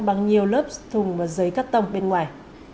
bằng nhiều lớp thùng và giấy cắt tông bên ngoài